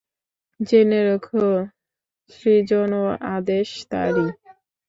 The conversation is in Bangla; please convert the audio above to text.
জেনে রেখ, সৃজন ও আদেশ তাঁরই।